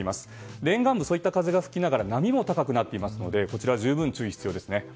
沿岸部は風も吹きながら波も高くなっているのでこちら十分注意が必要です。